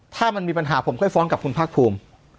ถ้ามันมีปัญหาผมค่อยฟ้องกับคุณภาคภูมิ